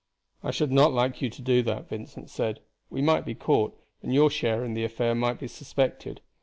"I should not like you to do that," Vincent said. "We might be caught, and your share in the affair might be suspected."